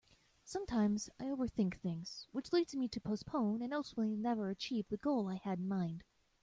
Sometimes I overthink things which leads me to postpone and ultimately never achieve the goal I had in mind.